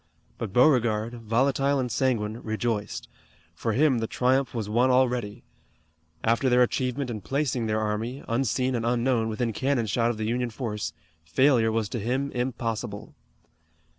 But Beauregard, volatile and sanguine, rejoiced. For him the triumph was won already. After their great achievement in placing their army, unseen and unknown, within cannon shot of the Union force, failure was to him impossible.